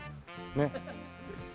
ねっ。